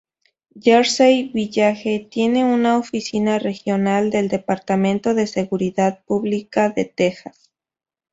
Jersey Village tiene una oficina regional del Departamento de Seguridad Pública de Texas.